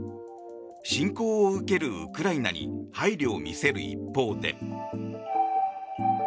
侵攻を受けるウクライナに配慮を見せる一方で。